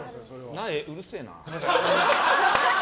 お前、うるせえな。